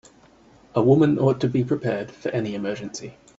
A woman ought to be prepared for any emergency.